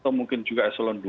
atau mungkin juga eselon dua